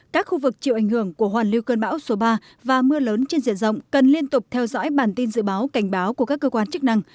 các khu vực chịu ảnh hưởng của hoàn lưu cơn bão số ba và mưa lớn trên diện rộng cần liên tục theo dõi bản tin dự báo cảnh báo của các cơ quan chức năng